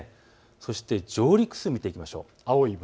そして上陸数、見ていきましょう。